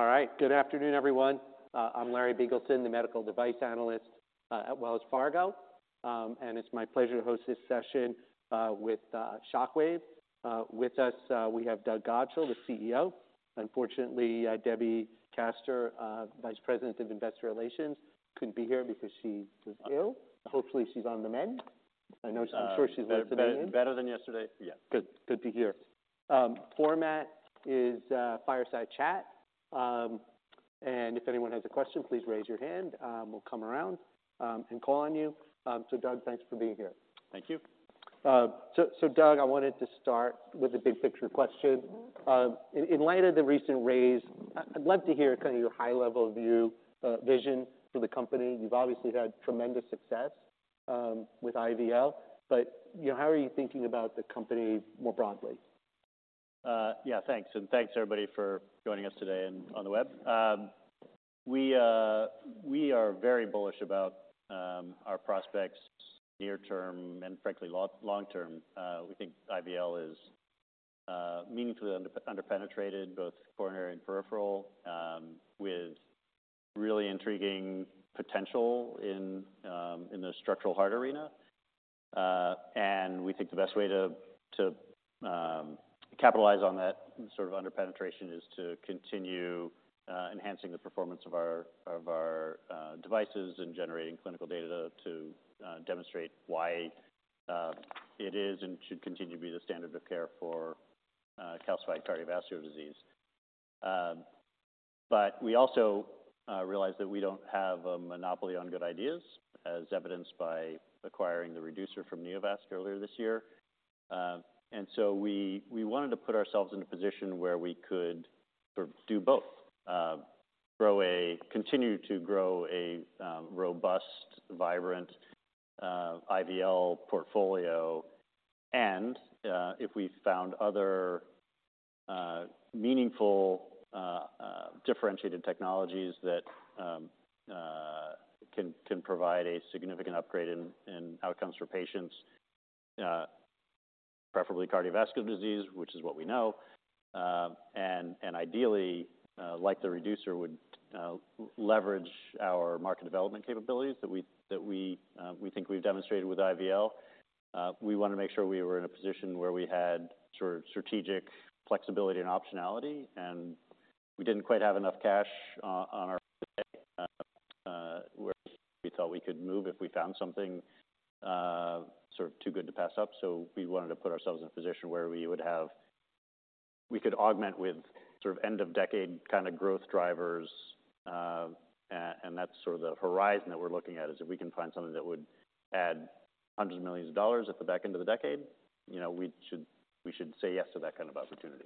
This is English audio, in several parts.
All right. Good afternoon, everyone. I'm Larry Biegelsen, the medical device analyst at Wells Fargo. It's my pleasure to host this session with Shockwave. With us, we have Doug Godshall, the CEO. Unfortunately, Debbie Kaster, Vice President of Investor Relations, couldn't be here because she was ill. Hopefully, she's on the mend. I know. I'm sure she'd like to be here. Better than yesterday. Yeah. Good, good to hear. Format is fireside chat. If anyone has a question, please raise your hand, we'll come around, and call on you. Doug, thanks for being here. Thank you. So, Doug, I wanted to start with a big picture question. In light of the recent raise, I'd love to hear kind of your high-level view, vision for the company. You've obviously had tremendous success with IVL, but how are you thinking about the company more broadly? Yeah, thanks. And thanks, everybody, for joining us today and on the web. We are very bullish about our prospects near term and frankly, long term. We think IVL is meaningfully underpenetrated, both coronary and peripheral, with really intriguing potential in the structural heart arena. We think the best way to capitalize on that sort of underpenetration is to continue enhancing the performance of our devices and generating clinical data to demonstrate why it is and should continue to be the standard of care for calcified cardiovascular disease. But we also realize that we don't have a monopoly on good ideas, as evidenced by acquiring the Reducer from Neovasc earlier this year. And so we wanted to put ourselves in a position where we could sort of do both. Continue to grow a robust, vibrant IVL portfolio, and if we found other meaningful differentiated technologies that can provide a significant upgrade in outcomes for patients, preferably cardiovascular disease, which is what we know. And ideally, like the Reducer would leverage our market development capabilities that we think we've demonstrated with IVL. We want to make sure we were in a position where we had sort of strategic flexibility and optionality, and we didn't quite have enough cash on hand where we thought we could move if we found something sort of too good to pass up. So we wanted to put ourselves in a position where we would have... We could augment with sort of end-of-decade kind of growth drivers. And that's sort of the horizon that we're looking at, is if we can find something that would add hundreds of millions dollars at the back end of the decade, you know, we should, we should say yes to that kind of opportunity.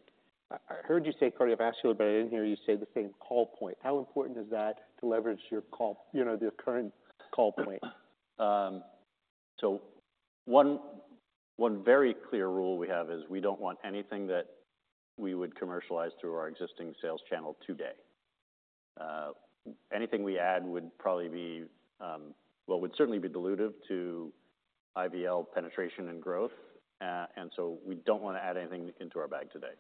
I heard you say cardiovascular, but I didn't hear you say the same call point. How important is that to leverage your call the current call point? So one very clear rule we have is we don't want anything that we would commercialize through our existing sales channel today. Anything we add would probably be, well, would certainly be dilutive to IVL penetration and growth. And so we don't want to add anything into our bag today.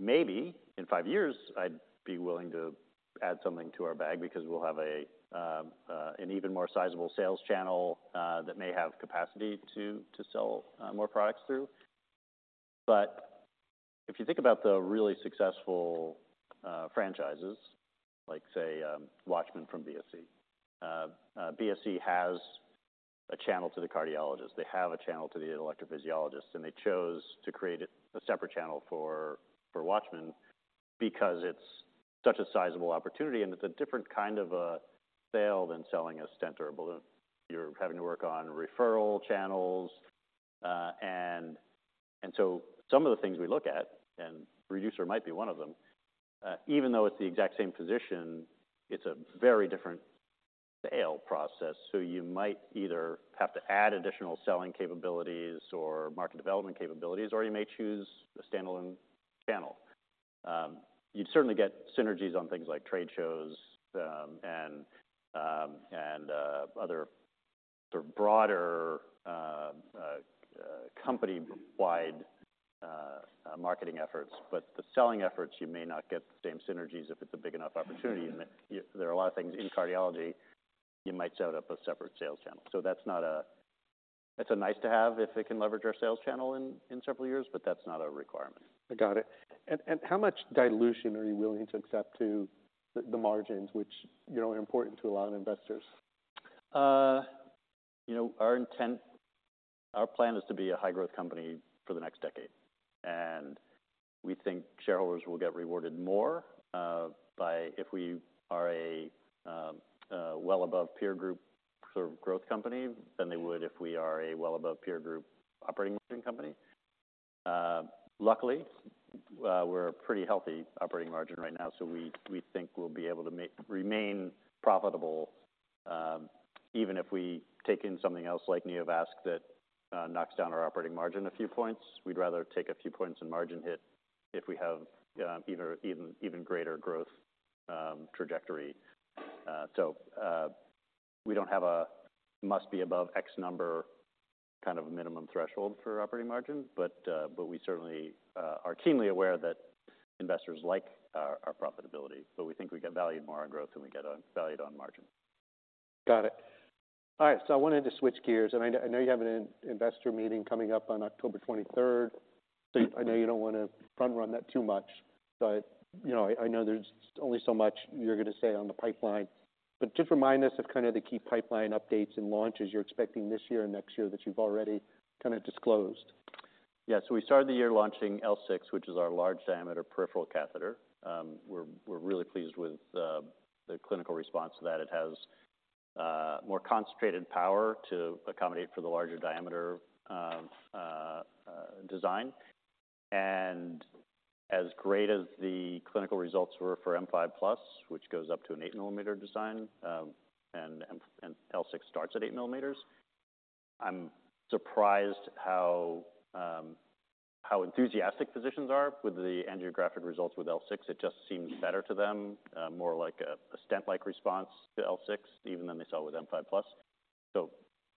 Maybe in five years, I'd be willing to add something to our bag because we'll have an even more sizable sales channel that may have capacity to sell more products through. But if you think about the really successful franchises, like, say, Watchman from BSC. BSC has a channel to the cardiologist. They have a channel to the electrophysiologist, and they chose to create a separate channel for Watchman because it's such a sizable opportunity, and it's a different kind of a sale than selling a stent or balloon. You're having to work on referral channels, and so some of the things we look at, and Reducer might be one of them, even though it's the exact same position, it's a very different sale process. So you might either have to add additional selling capabilities or market development capabilities, or you may choose a standalone channel. You'd certainly get synergies on things like trade shows, and other sort of broader company-wide marketing efforts. But the selling efforts, you may not get the same synergies if it's a big enough opportunity. There are a lot of things in cardiology, you might set up a separate sales channel. So that's not, it's a nice to have if it can leverage our sales channel in several years, but that's not a requirement. I got it. And how much dilution are you willing to accept to the margins, which, you know, are important to a lot of investors? Our intent, our plan is to be a high-growth company for the next decade, and we think shareholders will get rewarded more by if we are a well above peer group sort of growth company than they would if we are a well above peer group operating margin company. Luckily, we're a pretty healthy operating margin right now, so we think we'll be able to make remain profitable, even if we take in something else like Neovasc, that knocks down our operating margin a few points. We'd rather take a few points in margin hit if we have even greater growth trajectory. So, we don't have a must be above X number. Kind of a minimum threshold for operating margin, but we certainly are keenly aware that investors like our profitability, but we think we get valued more on growth than we get valued on margin. Got it. All right, so I wanted to switch gears, and I know you have an investor meeting coming up on October 23rd. So I know you don't want to front run that too much, but I know there's only so much you're going to say on the pipeline. But just remind us of kind of the key pipeline updates and launches you're expecting this year and next year that you've already kind of disclosed. Yeah, so we started the year launching L6, which is our large diameter peripheral catheter. We're really pleased with the clinical response to that. It has more concentrated power to accommodate for the larger diameter design. And as great as the clinical results were for M5 Plus, which goes up to an 8-millimeter design, and L6 starts at 8 mm. I'm surprised how enthusiastic physicians are with the angiographic results with L6. It just seems better to them, more like a stent-like response to L6 even than they saw with M5 Plus. So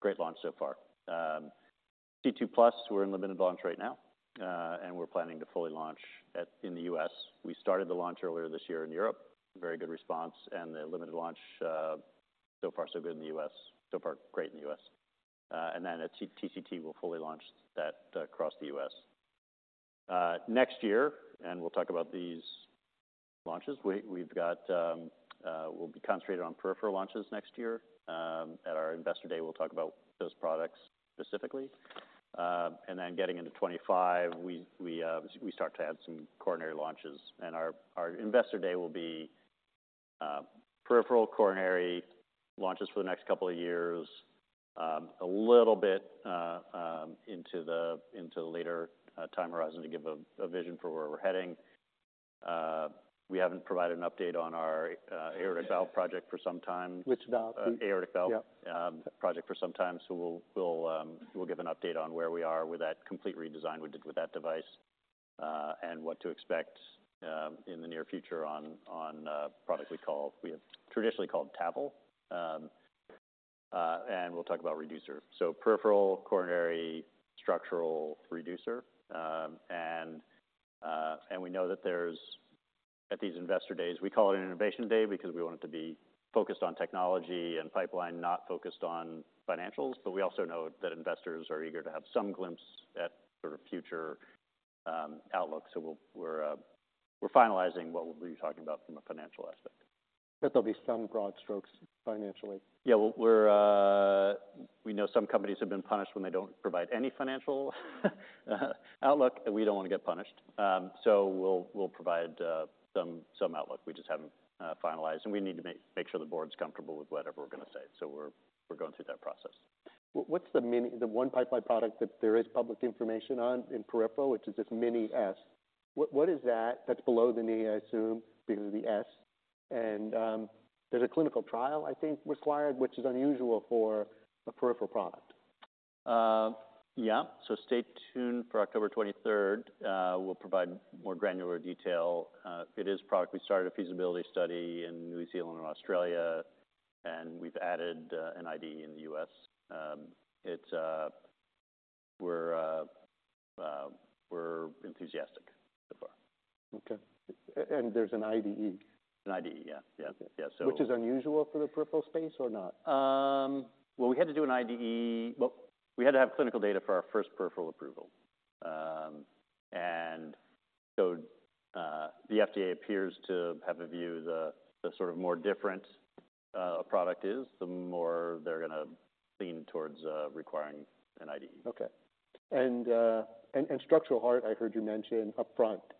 great launch so far. C2 Plus, we're in limited launch right now, and we're planning to fully launch in the U.S. We started the launch earlier this year in Europe. Very good response and the limited launch, so far, so good in the U.S. So far, great in the U.S. And then at TCT, we'll fully launch that across the U.S. Next year, we'll talk about these launches. We've got, we'll be concentrated on peripheral launches next year. At our investor day, we'll talk about those products specifically. And then getting into 2025, we start to add some coronary launches, and our investor day will be peripheral coronary launches for the next couple of years, a little bit into the later time horizon to give a vision for where we're heading. We haven't provided an update on our aortic valve project for some time. Which valve? Aortic valve. Yeah Project for some time. So we'll give an update on where we are with that complete redesign we did with that device, and what to expect in the near future on a product we call, we have traditionally called TAVL. And we'll talk about reducer. So peripheral, coronary, structural reducer, and we know that there's, at these investor days, we call it an innovation day because we want it to be focused on technology and pipeline, not focused on financials, but we also know that investors are eager to have some glimpse at sort of future outlook. So we'll, we're finalizing what we'll be talking about from a financial aspect. But there'll be some broad strokes financially. Yeah, well, we know some companies have been punished when they don't provide any financial outlook, and we don't want to get punished. So we'll provide some outlook. We just haven't finalized, and we need to make sure the board's comfortable with whatever we're going to say. So we're going through that process. What's the Mini, the one pipeline product that there is public information on in peripheral, which is this Mini S? What, what is that? That's below the knee, I assume, because of the S. There's a clinical trial, I think, required, which is unusual for a peripheral product. Yeah, so stay tuned for October twenty-third. We'll provide more granular detail. It is a product. We started a feasibility study in New Zealand and Australia, and we've added an IDE in the US. It's. We're enthusiastic so far. Okay. And there's an IDE? An IDE, yeah. Yeah, yeah, so. Which is unusual for the peripheral space or not? Well, we had to do an IDE. Well, we had to have clinical data for our first peripheral approval. And so, the FDA appears to have a view, the sort of more different a product is, the more they're going to lean towards requiring an IDE. Okay. And structural heart, I heard you mention upfront. Yep.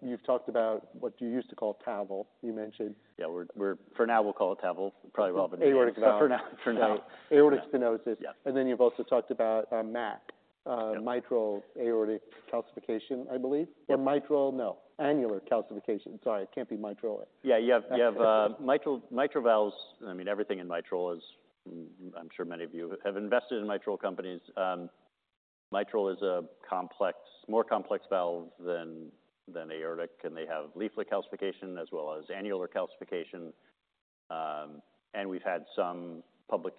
You've talked about what you used to call TAVL, you mentioned. Yeah, we're, for now, we'll call it TAVL. Probably well, but. Aortic valve. For now, for now. Aortic stenosis. Yeah. And then you've also talked about MAC. Yeah Mitral aortic calcification, I believe. Yeah. Or mitral? No, annular calcification. Sorry, it can't be mitral. Yeah, you have mitral valves. I mean, everything in mitral is. I'm sure many of you have invested in mitral companies. Mitral is a complex, more complex valve than aortic, and they have leaflet calcification as well as annular calcification. And we've had some public,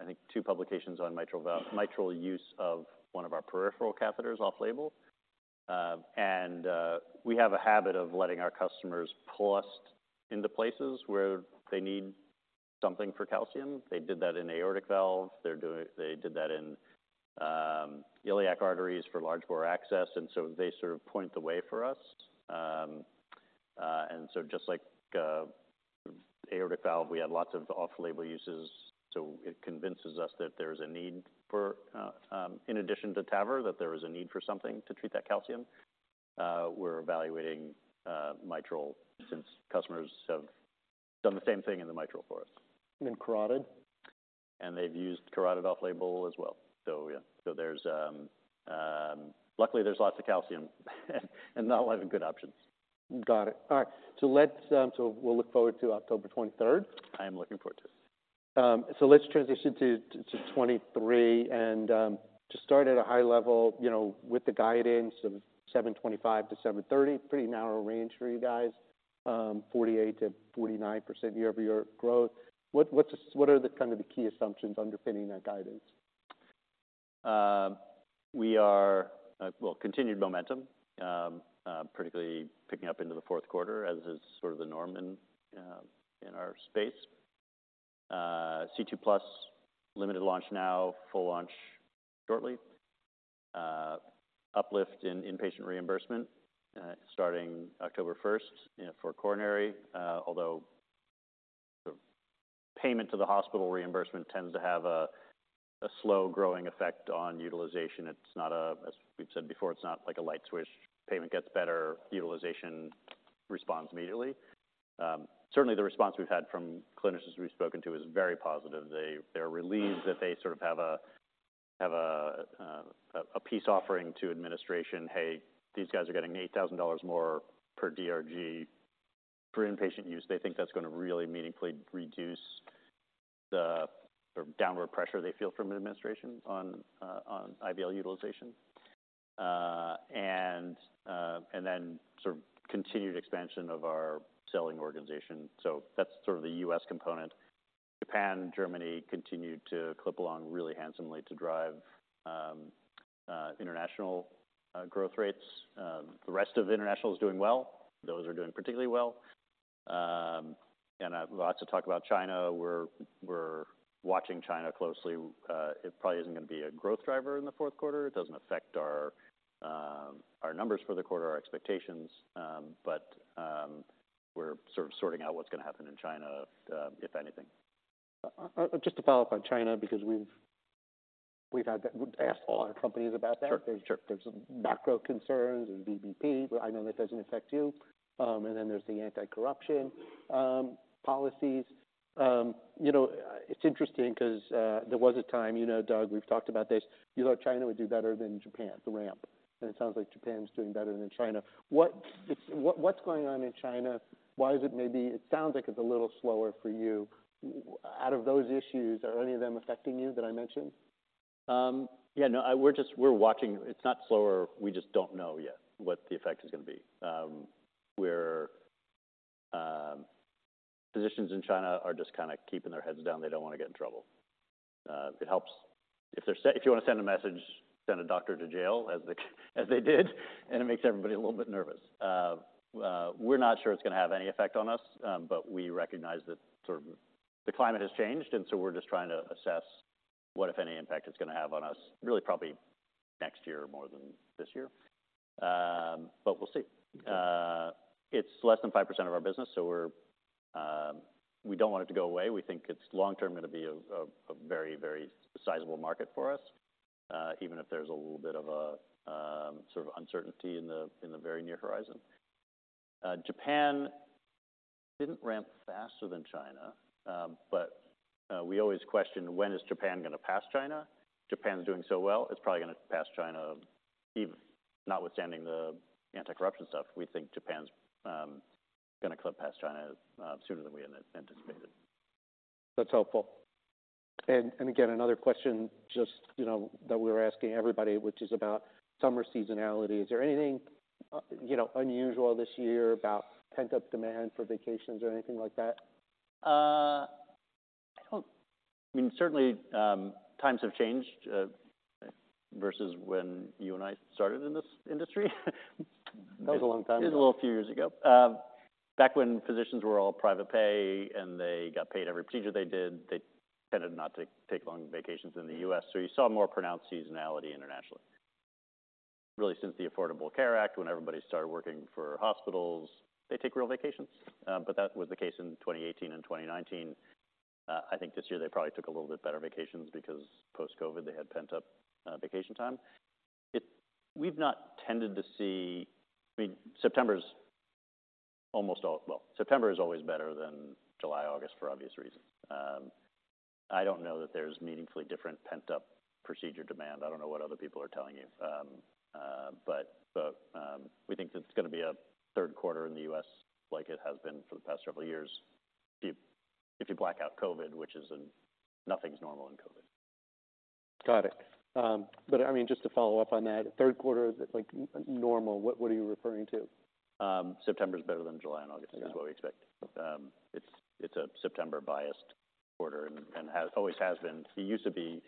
I think two publications on mitral use of one of our peripheral catheters off-label. And we have a habit of letting our customers pull us into places where they need something for calcium. They did that in aortic valve. They did that in iliac arteries for large bore access, and so they sort of point the way for us. And so just like aortic valve, we had lots of off-label uses, so it convinces us that there's a need for, in addition to TAVR, that there is a need for something to treat that calcium. We're evaluating mitral since customers have done the same thing in the mitral for us. And carotid? They've used carotid off-label as well. So yeah, luckily, there's lots of calcium, and not a lot of good options. Got it. All right. So let's, so we'll look forward to October 23. I am looking forward to it. So let's transition to 2023 and to start at a high level, you know, with the guidance of $725-$730, pretty narrow range for you guys. 48%-49% year-over-year growth. What are the kind of the key assumptions underpinning that guidance? We are seeing continued momentum, particularly picking up into the fourth quarter, as is sort of the norm in our space. C2 Plus limited launch now, full launch shortly. Uplift in inpatient reimbursement starting October first, you know, for coronary, although the payment to the hospital reimbursement tends to have a slow-growing effect on utilization. It's not a, as we've said before, it's not like a light switch, payment gets better, utilization responds immediately. Certainly the response we've had from clinicians we've spoken to is very positive. They, they're relieved that they sort of have a peace offering to administration. Hey, these guys are getting $8,000 more per DRG for inpatient use. They think that's going to really meaningfully reduce the downward pressure they feel from administration on IVL utilization. And then continued expansion of our selling organization. So that's sort of the U.S. component. Japan, Germany continued to clip along really handsomely to drive international growth rates. The rest of international is doing well. Those are doing particularly well. And lots of talk about China. We're watching China closely. It probably isn't going to be a growth driver in the fourth quarter. It doesn't affect our numbers for the quarter, our expectations, but we're sort of sorting out what's going to happen in China, if anything. Just to follow up on China, because we've had that, we've asked all our companies about that. Sure, sure. There's macro concerns and VBP, but I know that doesn't affect you. And then there's the anti-corruption policies. You know, it's interesting because, there was a time, you know, Doug, we've talked about this, you thought China would do better than Japan, the ramp, and it sounds like Japan's doing better than China. What's going on in China? Why is it maybe. It sounds like it's a little slower for you. Out of those issues, are any of them affecting you that I mentioned? Yeah, no, we're just watching. It's not slower, we just don't know yet what the effect is going to be. Physicians in China are just kind of keeping their heads down. They don't want to get in trouble. It helps. If they're, if you want to send a message, send a doctor to jail as they, as they did, and it makes everybody a little bit nervous. We're not sure it's going to have any effect on us, but we recognize that sort of the climate has changed, and so we're just trying to assess what, if any, impact it's going to have on us, really, probably next year more than this year. But we'll see. It's less than 5% of our business, so we don't want it to go away. We think it's long-term going to be a very, very sizable market for us, even if there's a little bit of a sort of uncertainty in the very near horizon. Japan didn't ramp faster than China, but we always question, when is Japan going to pass China? Japan's doing so well. It's probably going to pass China, even notwithstanding the anti-corruption stuff. We think Japan's going to clip past China sooner than we had anticipated. That's helpful. And again, another question, just that we're asking everybody, which is about summer seasonality. Is there anything, you know, unusual this year about pent-up demand for vacations or anything like that? I mean, certainly, times have changed versus when you and I started in this industry. That was a long time ago. It's a little few years ago. Back when physicians were all private pay and they got paid every procedure they did, they tended not to take long vacations in the U.S. so you saw more pronounced seasonality internationally. Really, since the Affordable Care Act, when everybody started working for hospitals, they take real vacations. But that was the case in 2018 and 2019. I think this year they probably took a little bit better vacations because post-COVID, they had pent-up vacation time. We've not tended to see... I mean, September's almost all. Well, September is always better than July, August, for obvious reasons. I don't know that there's meaningfully different pent-up procedure demand. I don't know what other people are telling you. We think that it's going to be a third quarter in the U.S. like it has been for the past several years. If you black out COVID, nothing's normal in COVID. Got it. But I mean, just to follow up on that, third quarter, is it like normal? What, what are you referring to? September is better than July and August. Yeah. Is what we expect. It's a September-biased quarter and has always been. It used to be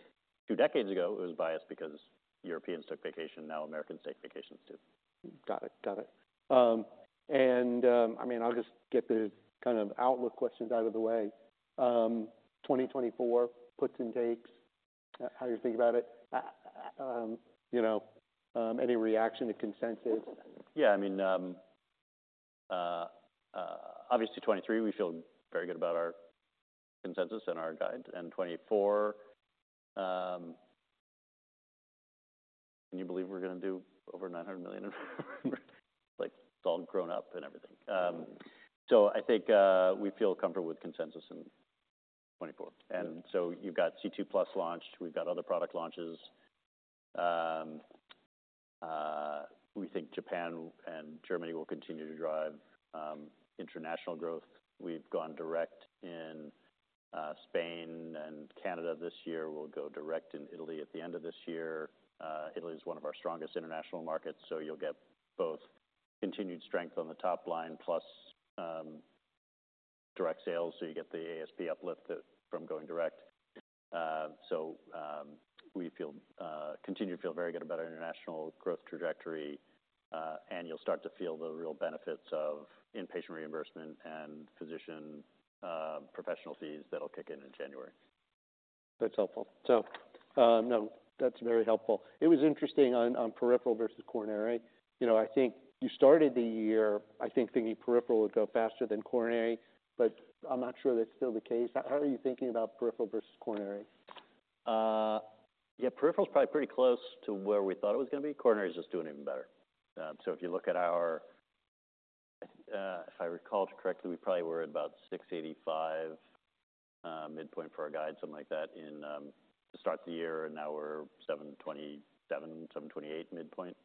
two decades ago, it was biased because Europeans took vacation. Now Americans take vacations, too. Got it. Got it. I mean, I'll just get the kind of outlook questions out of the way. 2024 puts and takes, how you think about it? Any reaction to consensus? Yeah, I mean, obviously, 2023, we feel very good about our consensus and our guide. And 2024, can you believe we're going to do over $900 million? Like, it's all grown up and everything. So I think, we feel comfortable with consensus in 2024. You've got C2+ launch, we've got other product launches. We think Japan and Germany will continue to drive international growth. We've gone direct in Spain and Canada this year. We'll go direct in Italy at the end of this year. Italy is one of our strongest international markets, so you'll get both continued strength on the top line, plus direct sales, so you get the ASP uplift that from going direct. So we feel continue to feel very good about our international growth trajectory, and you'll start to feel the real benefits of in-patient reimbursement and physician professional fees that'll kick in in January. That's helpful. So, no, that's very helpful. It was interesting on peripheral versus coronary. You know, I think you started the year, I think, thinking peripheral would go faster than coronary, but I'm not sure that's still the case. How are you thinking about peripheral versus coronary? Yeah, peripheral is probably pretty close to where we thought it was going to be. Coronary is just doing even better. So if you look at our, if I recall it correctly, we probably were at about $685 midpoint for our guide, something like that, in the start of the year, and now we're $727-$728 midpoint.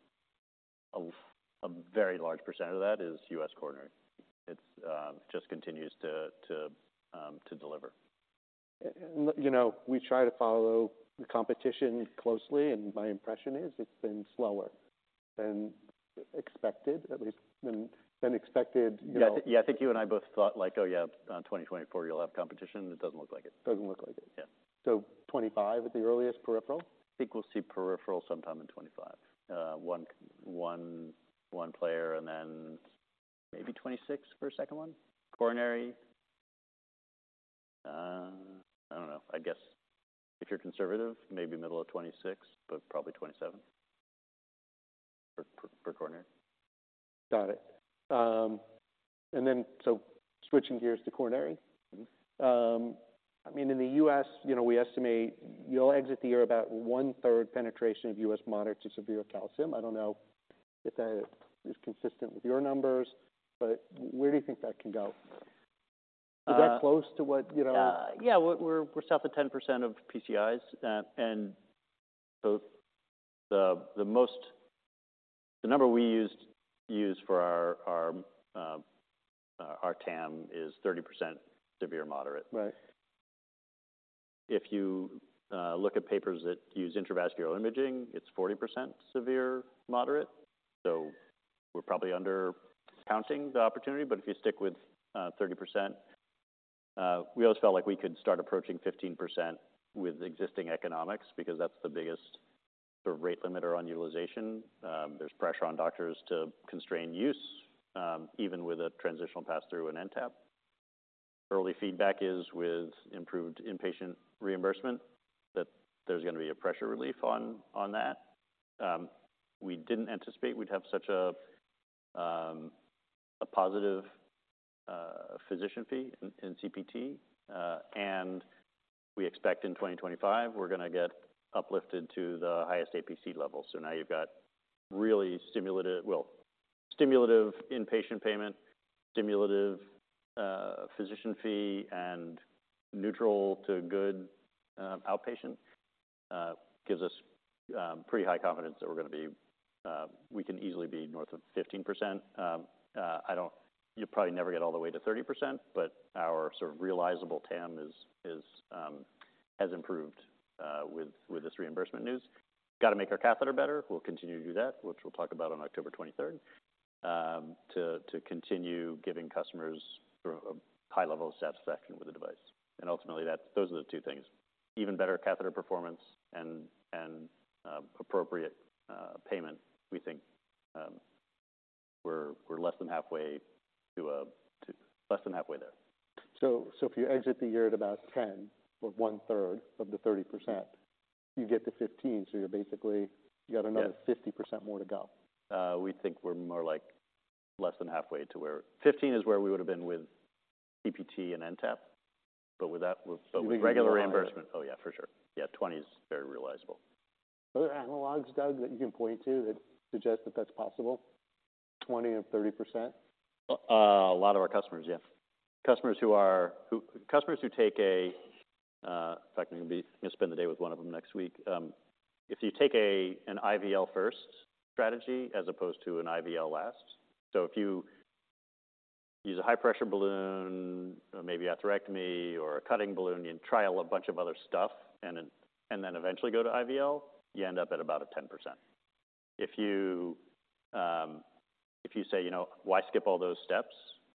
A very large percent of that is U.S. coronary. It just continues to deliver. You know, we try to follow the competition closely, and my impression is it's been slower than expected, at least than expected, you know? Yeah. I think you and I both thought like, "Oh, yeah, 2024, you'll have competition," it doesn't look like it. Doesn't look like it. Yeah. 25 at the earliest, peripheral? I think we'll see peripheral sometime in 2025. One player and then maybe 2026 for a second one. Coronary, I don't know. I guess if you're conservative, maybe middle of 2026, but probably 2027 for coronary. Got it. Switching gears to coronary. I mean, in the U.S. we estimate you'll exit the year about one-third penetration of U.S. moderate to severe calcium. I don't know if that is consistent with your numbers, but where do you think that can go? Is that close to what you know? Yeah, we're south of 10% of PCIs. And so the number we used for our TAM is 30% severe or moderate. Right. If you look at papers that use intravascular imaging, it's 40% severe or moderate, so we're probably undercounting the opportunity. But if you stick with 30%, we always felt like we could start approaching 15% with existing economics, because that's the biggest sort of rate limiter on utilization. There's pressure on doctors to constrain use, even with a transitional pass-through and NTAP. Early feedback is with improved inpatient reimbursement, that there's going to be a pressure relief on that. We didn't anticipate we'd have such a positive physician fee in CPT, and we expect in 2025, we're going to get uplifted to the highest APC level. So now you've got really stimulative. Well, stimulative inpatient payment, stimulative physician fee, and neutral to good outpatient. Gives us pretty high confidence that we're going to be, we can easily be north of 15%. You'll probably never get all the way to 30%, but our sort of realizable TAM is, has improved with this reimbursement news. Got to make our catheter better. We'll continue to do that, which we'll talk about on October twenty-third, to continue giving customers a high level of satisfaction with the device. And ultimately, that- those are the two things, even better catheter performance and appropriate payment. We think, we're less than halfway to less than halfway there. So, so if you exit the year at about 10 or one-third of the 30%, you get to 15. So you're basically, you got another 50% more to go. We think we're more like less than halfway to where, 15 is where we would have been with CPT and NTAP, but with that, with. Regular reimbursement. Oh, yeah, for sure. Yeah, 20 is very realizable. Are there analogues, Doug, that you can point to that suggest that that's possible, 20% or 30%? A lot of our customers, yeah. Customers who take a, in fact, I'm going to be, gonna spend the day with one of them next week. If you take an IVL first strategy as opposed to an IVL last, so if you use a high-pressure balloon, or maybe atherectomy, or a cutting balloon, you trial a bunch of other stuff and then eventually go to IVL, you end up at about 10%. If you say, "You know, why skip all those steps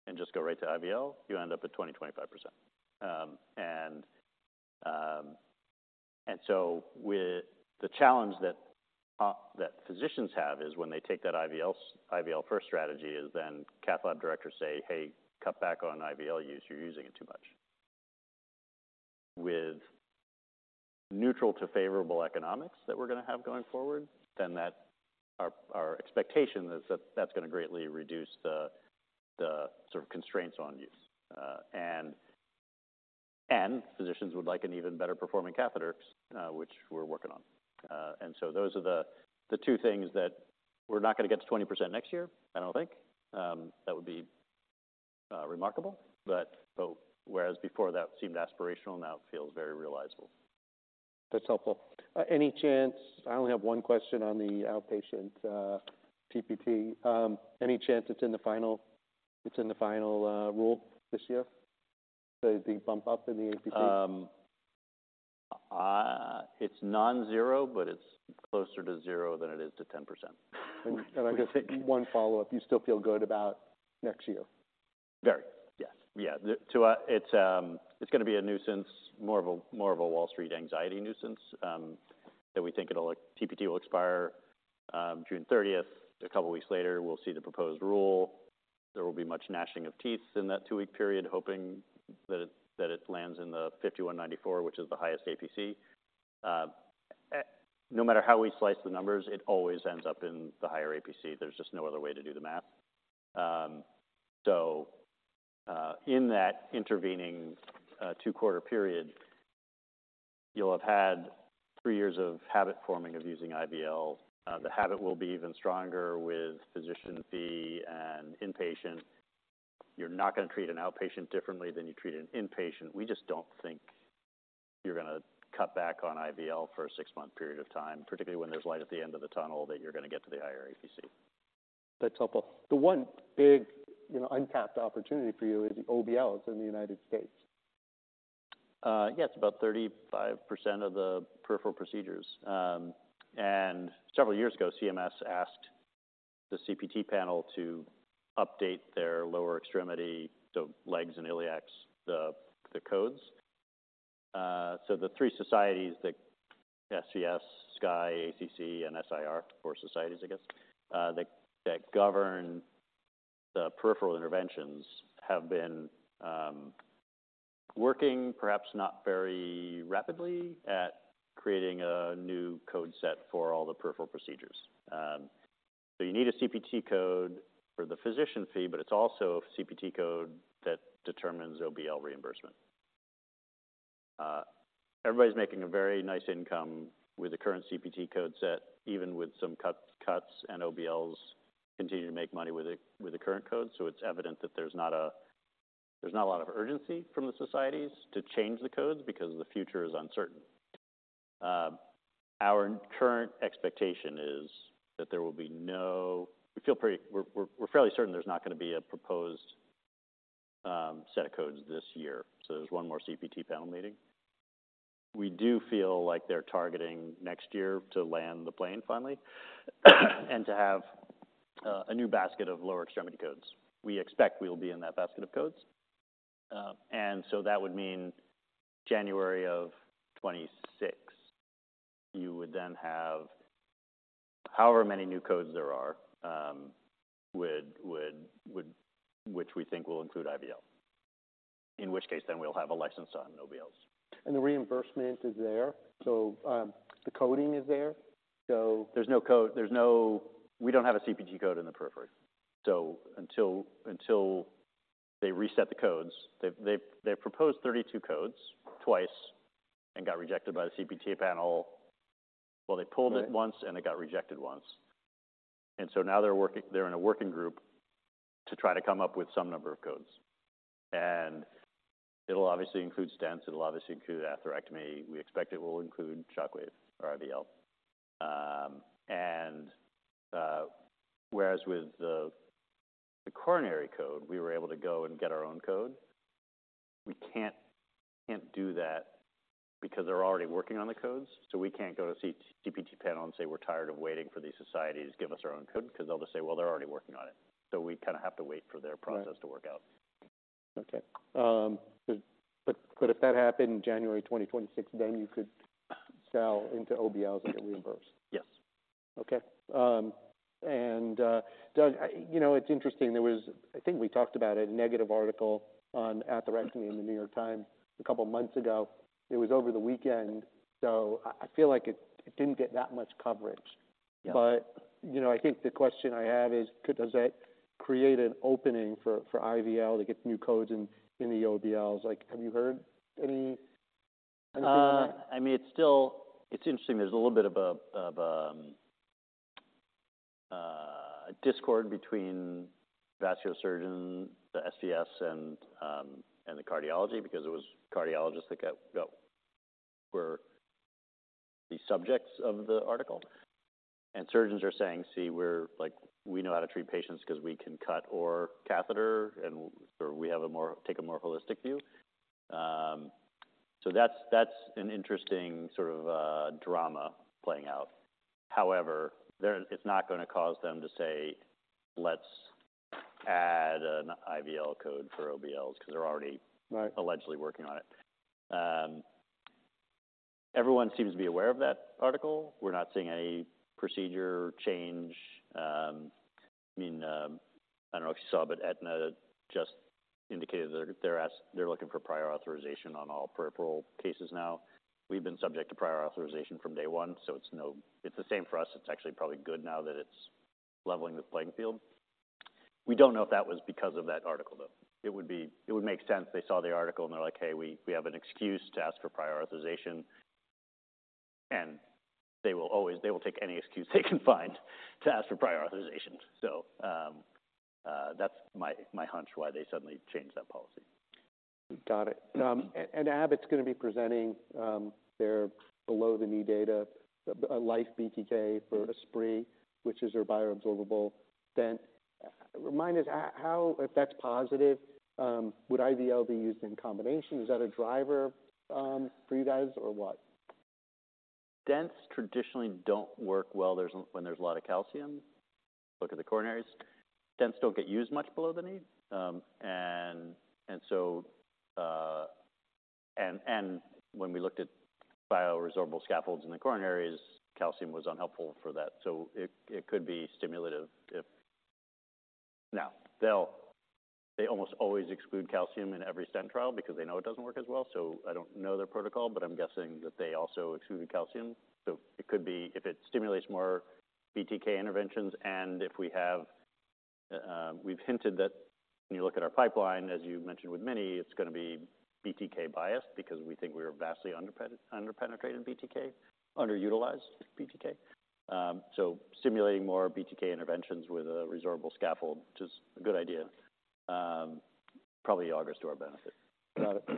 and just go right to IVL?" You end up at 20%-25%. And so with the challenge that physicians have is when they take that IVL, IVL-first strategy, is then cath lab directors say, "Hey, cut back on IVL use, you're using it too much." With neutral to favorable economics that we're going to have going forward, then that... Our expectation is that that's going to greatly reduce the sort of constraints on use. And physicians would like an even better performing catheter, which we're working on. And so those are the two things that we're not going to get to 20% next year. I don't think. That would be remarkable, but whereas before that seemed aspirational, now it feels very realizable. That's helpful. Any chance, I only have one question on the outpatient TPT. Any chance it's in the final rule this year, the bump up in the APC? It's non-zero, but it's closer to zero than it is to 10%. And I guess one follow-up, you still feel good about next year? Very. Yes. Yeah. To us, it's gonna be a nuisance, more of a Wall Street anxiety nuisance. But we think it'll. TPT will expire June 30. A couple of weeks later, we'll see the proposed rule. There will be much gnashing of teeth in that two-week period, hoping that it lands in the 51.94, which is the highest APC. No matter how we slice the numbers, it always ends up in the higher APC. There's just no other way to do the math. So, in that intervening two-quarter period, you'll have had three years of habit forming of using IVL. The habit will be even stronger with physician buy-in and inpatient. You're not going to treat an outpatient differently than you treat an inpatient. We just don't think you're gonna cut back on IVL for a six-month period of time, particularly when there's light at the end of the tunnel, that you're gonna get to the higher APC. That's helpful. The one big, you know, untapped opportunity for you is the OBLs in the United States. Yeah, it's about 35% of the peripheral procedures. Several years ago, CMS asked the CPT panel to update their lower extremity, the legs and iliacs, the codes. So the three societies, the SVS, SCAI, ACC, and SIR, four societies, I guess, that govern the peripheral interventions, have been working, perhaps not very rapidly, at creating a new code set for all the peripheral procedures. So you need a CPT code for the physician fee, but it's also a CPT code that determines OBL reimbursement. Everybody's making a very nice income with the current CPT code set, even with some cuts, and OBLs continue to make money with the current code. So it's evident that there's not a lot of urgency from the societies to change the codes because the future is uncertain. Our current expectation is that there will be no, we feel pretty, we're fairly certain there's not going to be a proposed set of codes this year. So there's one more CPT panel meeting. We do feel like they're targeting next year to land the plane finally, and to have a new basket of lower extremity codes. We expect we will be in that basket of codes. And so that would mean January of 2026, you would then have however many new codes there are, which we think will include IVL, in which case, then we'll have a license on OBLs. The reimbursement is there, so, the coding is there? There's no code. We don't have a CPT code in the periphery. So until they reset the codes, they've proposed 32 codes twice and got rejected by the CPT panel. Well, they pulled it once, and it got rejected once. And so now they're in a working group to try to come up with some number of codes. And it'll obviously include stents, it'll obviously include atherectomy. We expect it will include Shockwave or IVL. Whereas with the coronary code, we were able to go and get our own code. We can't do that because they're already working on the codes, so we can't go to the CPT panel and say, "We're tired of waiting for these societies, give us our own code," because they'll just say, "Well, they're already working on it." So we have to wait for their process to work out. Okay. But if that happened January 2026, then you could sell into OBLs and get reimbursed? Yes. Okay. Doug, it's interesting, there was, I think we talked about a negative article on atherectomy in the New York Times a couple of months ago. It was over the weekend, so I feel like it didn't get that much coverage. Yeah. But I think the question I have is, does that create an opening for IVL to get new codes in the OBLs? Like, have you heard any. I mean, it's still. It's interesting. There's a little bit of a discord between vascular surgeons, the STS, and the cardiology, because it was cardiologists that were the subjects of the article. And surgeons are saying: See, we're, like, we know how to treat patients 'cause we can cut or catheter, and, or we have a more, take a more holistic view. So that's an interesting sort of drama playing out. However, it's not gonna cause them to say, "Let's add an IVL code for OBLs," 'cause they're already. Right. Allegedly working on it. Everyone seems to be aware of that article. We're not seeing any procedure change. I mean, I don't know if you saw, but Aetna just indicated that they're looking for prior authorization on all peripheral cases now. We've been subject to prior authorization from day one, so it's the same for us. It's actually probably good now that it's leveling the playing field. We don't know if that was because of that article, though. It would make sense. They saw the article, and they're like, "Hey, we have an excuse to ask for prior authorization." And they will always take any excuse they can find to ask for prior authorization. So, that's my hunch why they suddenly changed that policy. Got it. And Abbott's gonna be presenting their below-the-knee data, LIFE-BTK for Esprit, which is their bioabsorbable stent. Remind us, how, if that's positive, would IVL be used in combination? Is that a driver for you guys, or what? Stents traditionally don't work well when there's a lot of calcium. Look at the coronaries. Stents don't get used much below the knee. So, when we looked at bioresorbable scaffolds in the coronaries, calcium was unhelpful for that. So it could be stimulative. They almost always exclude calcium in every stent trial because they know it doesn't work as well, so I don't know their protocol, but I'm guessing that they also excluded calcium. So it could be if it stimulates more BTK interventions and if we have, we've hinted that when you look at our pipeline, as you mentioned with Mini, it's gonna be BTK-biased because we think we are vastly underpenetrated BTK, underutilized BTK. So stimulating more BTK interventions with a resorbable scaffold, which is a good idea, probably augurs to our benefit. Got it.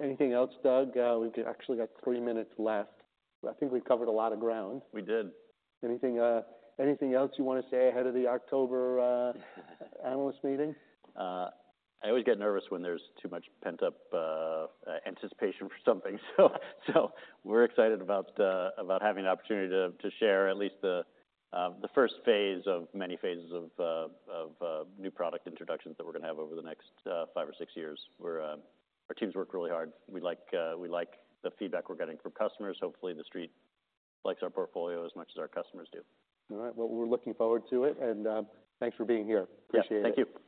Anything else, Doug? We've actually got three minutes left, but I think we've covered a lot of ground. We did. Anything, anything else you want to say ahead of the October analyst meeting? I always get nervous when there's too much pent-up anticipation for something. So we're excited about having the opportunity to share at least the first phase of many phases of new product introductions that we're gonna have over the next five or six years. We're. Our team's worked really hard. We like the feedback we're getting from customers. Hopefully, the street likes our portfolio as much as our customers do. All right. Well, we're looking forward to it, and, thanks for being here. Appreciate it. Yeah. Thank you.